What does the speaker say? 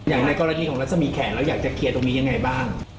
ในกรณีของรัศมีแขนเราอยากจะเคลียร์ตรงนี้ยังไงบ้าง